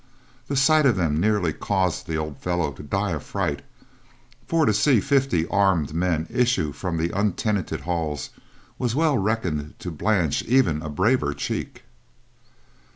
The sight of them nearly caused the old fellow to die of fright, for to see fifty armed men issue from the untenanted halls was well reckoned to blanch even a braver cheek.